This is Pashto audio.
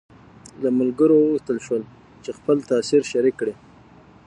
له ملګرو وغوښتل شول چې خپل تاثر شریک کړي.